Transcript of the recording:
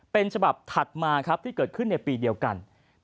เป็นฉบับถัดมาครับที่เกิดขึ้นในปีเดียวกัน